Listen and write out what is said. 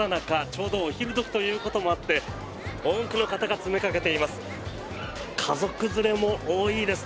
ちょうどお昼時ということもあって多くの方が詰めかけています。